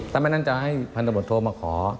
ถ้าไม่นั้นจะให้พันธบทโทรมาขอ